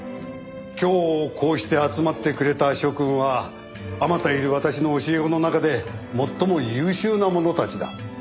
今日こうして集まってくれた諸君は数多いる私の教え子の中で最も優秀な者たちだ。